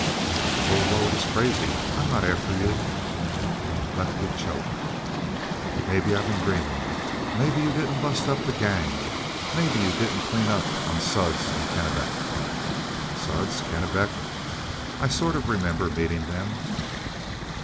"The whole road is crazy. I'm not after you." Lefty choked. "Maybe I been dreaming. Maybe you didn't bust up the gang? Maybe you didn't clean up on Suds and Kennebec?" "Suds? Kennebec? I sort of remember meeting them."